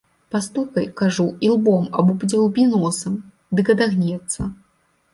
Пастукай, кажу, ілбом або падзяўбі носам, дык адагнецца.